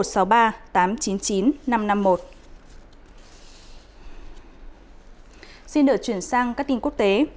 xin đỡ chuyển sang các tin quốc tế